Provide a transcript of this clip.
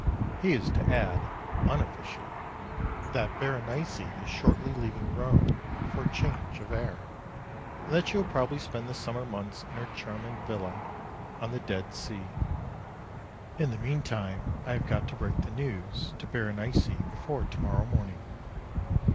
He is to add (unofficially) that Berenice is shortly leaving Rome for change of air; and that she will probably spend the summer months in her charming villa on the Dead Sea. In the meantime I have got to break the news to Berenice before to morrow morning.